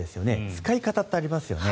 使い方ってありますよね。